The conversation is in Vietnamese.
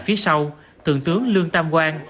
phía sau thượng tướng lương tam quang